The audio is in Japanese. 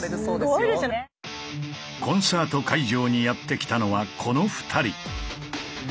コンサート会場にやって来たのはこの２人。